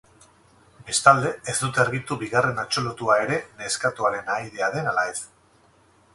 Bestalde, ez dute argitu bigarren atxilotua ere neskatoaren ahaidea den ala ez.